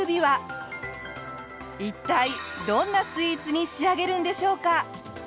一体どんなスイーツに仕上げるんでしょうか？